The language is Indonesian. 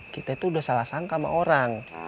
kita itu udah salah sangka sama orang